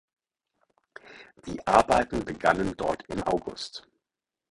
Die Arbeiten begannen dort im August.